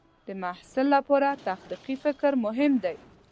د محصل لپاره تخلیقي فکر مهم دی.